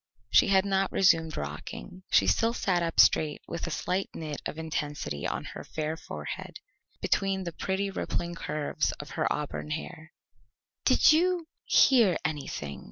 She had not resumed rocking. She still sat up straight with a slight knit of intensity on her fair forehead, between the pretty rippling curves of her auburn hair. "Did you hear anything?"